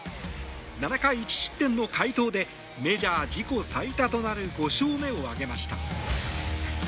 ７回１失点の快投でメジャー自己最多となる５勝目を挙げました。